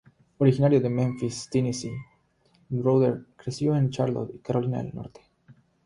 Originario de Memphis, Tennessee, Browder creció en Charlotte, Carolina del Norte.